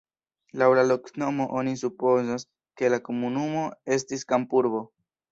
Laŭ la loknomo oni supozas, ke la komunumo estis kampurbo.